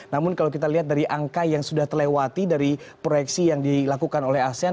namun kalau kita lihat dari angka yang sudah terlewati dari proyeksi yang dilakukan oleh asean